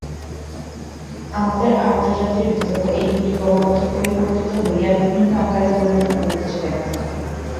আমাদের আর্যজাতির ভিতরও এইগুলি ক্রমাগত পরিবর্তিত হইয়া বিভিন্ন আকারে পরিণত হইতেছে দেখা যায়।